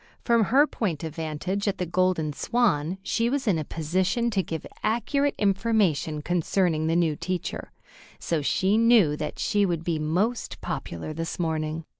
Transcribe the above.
From her point of vantage at the Golden Swan, she was in a position to give accurate information concerning the new teacher, so she knew that she would be most popular this morning.